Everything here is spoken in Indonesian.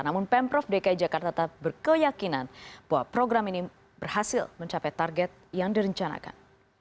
namun pemprov dki jakarta tetap berkeyakinan bahwa program ini berhasil mencapai target yang direncanakan